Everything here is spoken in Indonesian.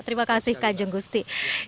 terima kasih kan jung gusti